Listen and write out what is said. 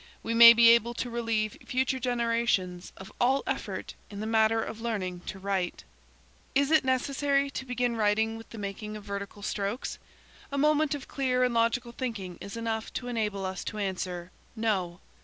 We may be able to relieve future generations of all effort in the matter of learning to write. Is it necessary to begin writing with the making of vertical strokes? A moment of clear and logical thinking is enough to enable us to answer, no.